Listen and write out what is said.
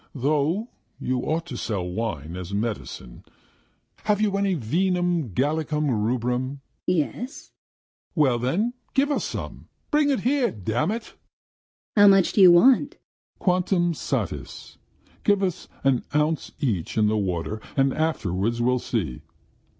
Though you ought to sell wine as a medicine. Have you any vinum gallicum rubrum?" "Yes." "Well, then, give us some! Bring it here, damn it!" "How much do you want?" "Quantum satis. ... Give us an ounce each in the water, and afterwards we'll see.